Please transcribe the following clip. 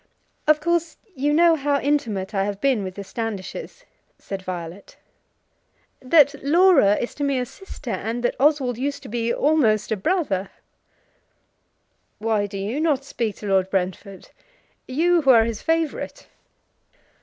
"Of course you know how intimate I have been with the Standishes," said Violet; "that Laura is to me a sister, and that Oswald used to be almost a brother." "Why do not you speak to Lord Brentford; you who are his favourite?"